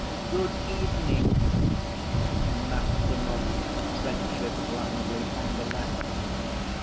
"Good evening," Maximov ventured blandly on the left.